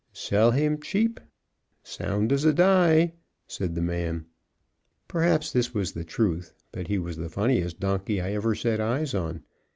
"Sell him cheap, sound as a dye," said the man. Perhaps this was the truth, but he was the funniest donkey I ever set eyes on.